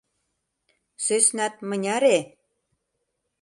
Сӧснат мыняре?